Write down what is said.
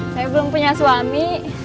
saya belum punya suami